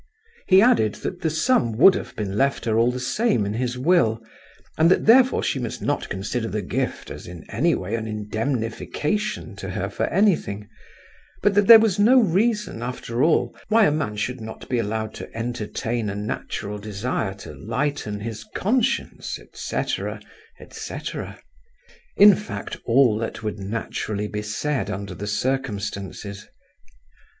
He added that the sum would have been left her all the same in his will, and that therefore she must not consider the gift as in any way an indemnification to her for anything, but that there was no reason, after all, why a man should not be allowed to entertain a natural desire to lighten his conscience, etc., etc.; in fact, all that would naturally be said under the circumstances.